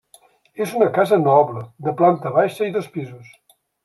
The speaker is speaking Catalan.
És una casa noble, de planta baixa i dos pisos.